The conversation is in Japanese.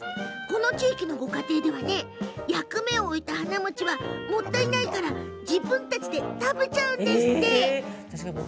この地域のご家庭では役目を終えた花餅はもったいないから自分たちで食べちゃうんですって。